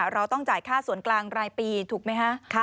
เราต้องจ่ายค่าส่วนกลางรายปีถูกไหมคะ